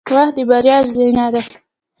• وخت د بریا زینه ده.